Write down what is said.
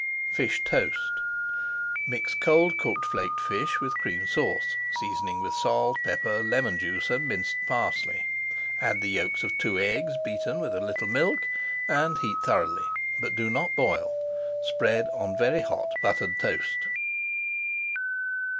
[Page 489] FISH TOAST Mix cold cooked flaked fish with Cream Sauce, seasoning with salt, pepper, lemon juice, and minced parsley. Add the yolks of two eggs, beaten with a little milk, and heat thoroughly, but do not boil. Spread on very hot buttered toast.